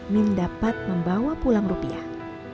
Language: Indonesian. min dapat membawa pulang rupiah